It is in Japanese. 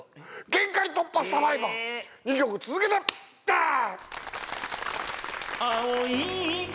「限界突破×サバイバー」２曲続けてダー！